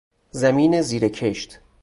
زمین زیر کشت